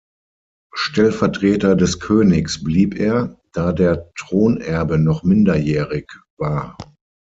Stellvertreter des Königs blieb er, da der Thronerbe noch minderjährig war.